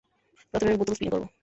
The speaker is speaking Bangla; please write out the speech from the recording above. প্রথমে আমি বোতল স্পিন করবো।